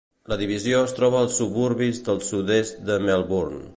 La divisió es troba als suburbis del sud-est de Melbourne.